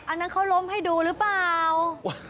อันนั้นเขาล้มให้ดูหรือเปล่า